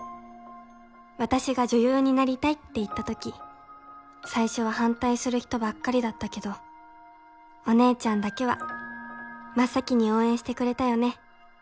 私が女優になりたいって言った時最初は反対する人ばっかりだったけどお姉ちゃんだけは真っ先に応援してくれたよね